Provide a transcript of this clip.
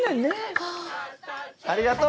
ありがとう。